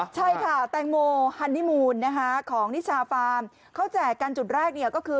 ใช่ค่ะแตงโมฮันนิมูลนะคะของนิชาฟาร์มเขาแจกกันจุดแรกเนี่ยก็คือ